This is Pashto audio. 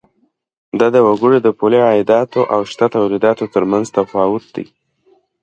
دا د وګړو د پولي عایداتو او شته تولیداتو تر مینځ تفاوت دی.